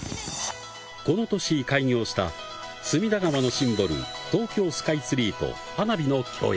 この年、開業した隅田川のシンボル、東京スカイツリーと花火の共演。